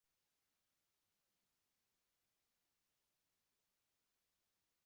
Sin embargo, dedicó su vida al periodismo.